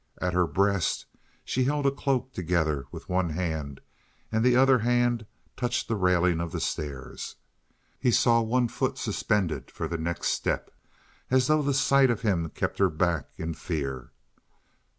At her breast she held a cloak together with one hand and the other hand touched the railing of the stairs. He saw one foot suspended for the next step, as though the sight of him kept her back in fear.